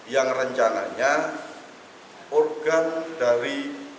yang rencananya organ dari